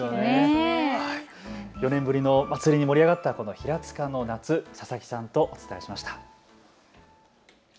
４年ぶりのまつりに盛り上がった平塚の夏、佐々木さんとお伝えしました。